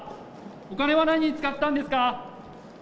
お金は何に使ったんですか？